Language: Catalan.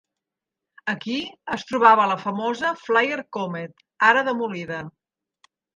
Aquí es trobava la famosa Flyer Comet, ara demolida.